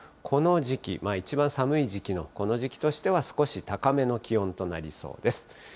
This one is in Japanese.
この時期、一番寒い時期のこの時期としては、少し高めの気温となりそうです。